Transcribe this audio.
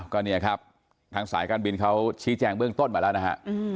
ก็เนี่ยครับทางสายการบินเขาชี้แจงเบื้องต้นมาแล้วนะฮะ